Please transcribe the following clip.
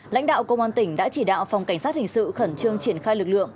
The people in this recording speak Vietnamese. lãnh đạo công an tỉnh đã chỉ đạo phòng cảnh sát hình sự khẩn trương triển khai lực lượng